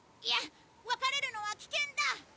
いや分かれるのは危険だ。